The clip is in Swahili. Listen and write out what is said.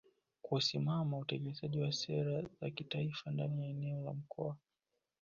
kusimamia utekelezaji wa sera za kitaifa ndani ya eneo la Mkoa